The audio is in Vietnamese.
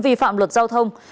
vi phạm luật giao thông